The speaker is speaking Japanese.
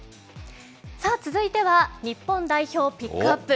さあ、続いては日本代表ピックアップ。